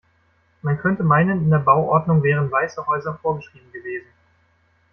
Man könnte meinen, in der Bauordnung wären weiße Häuser vorgeschrieben gewesen.